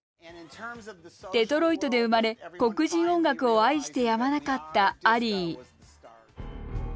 デトロイトで生まれ黒人音楽を愛してやまなかったアリー。